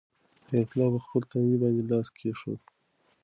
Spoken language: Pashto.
حیات الله په خپل تندي باندې لاس کېښود.